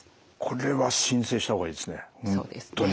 これは申請した方がいいですね